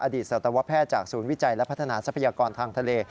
สัตวแพทย์จากศูนย์วิจัยและพัฒนาทรัพยากรทางทะเล